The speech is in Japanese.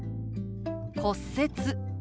「骨折」。